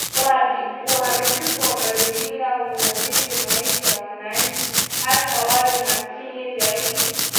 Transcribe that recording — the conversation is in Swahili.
Uharibifu wa mazingira unaathiri maisha ya wananchi hasa wale maskini zaidi